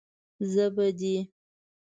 زه به دې.